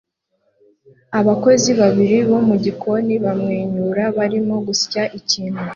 Abakozi babiri bo mu gikoni bamwenyura barimo gusya ikintu